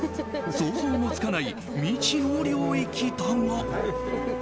想像もつかない未知の領域だが。